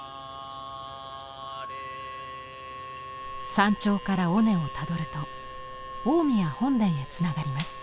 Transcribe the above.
山頂から尾根をたどると大宮本殿へつながります。